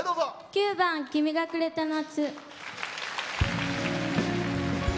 ９番「君がくれた夏」。